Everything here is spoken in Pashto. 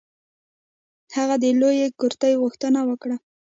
هغه د لویې کرتۍ غوښتنه وکړه.